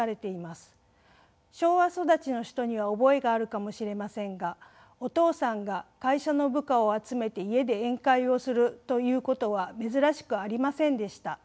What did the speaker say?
昭和育ちの人には覚えがあるかもしれませんがお父さんが会社の部下を集めて家で宴会をするということは珍しくありませんでした。